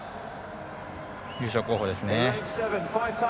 優勝候補ですね。